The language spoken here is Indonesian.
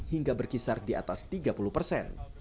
hingga berkisar di atas tiga puluh persen